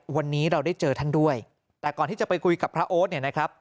วันนี้เราได้เจอท่านด้วยแต่ก่อนที่จะไปคุยกับพระโอ๊ตเนี่ยนะครับ